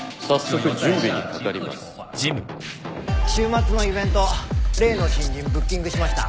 週末のイベント例の新人ブッキングしました。